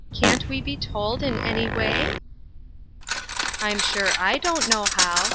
Can't we be told in any way ?" "I'm sure I don't know how.